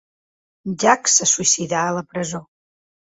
Jack se suïcidà a la presó.